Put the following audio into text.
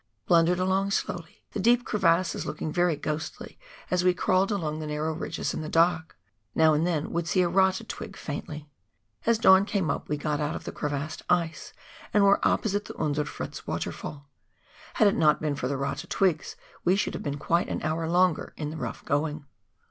Blundered along slowly, the deep crevasses looking very ghostly as we crawled along the narrow ridges in the dark. Now and then would see a rata twig faintly. As dawn came we got out of the crevassed ice and were opposite the Unser Fritz Waterfall. Had it not been for the rata twigs we should have been quite an hour longer in the rough going.